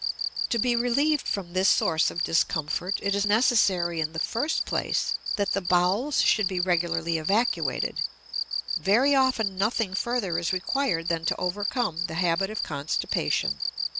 To be relieved from this source of discomfort, it is necessary, in the first place, that the bowels should be regularly evacuated; very often nothing further is required than to overcome the habit of constipation.